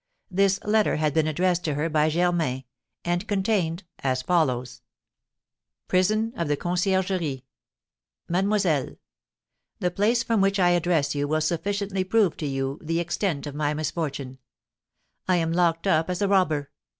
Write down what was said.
This letter had been addressed to her by Germain, and contained as follows: "PRISON OF THE CONCIERGERIE. "MADEMOISELLE: The place from which I address you will sufficiently prove to you the extent of my misfortune, I am locked up as a robber.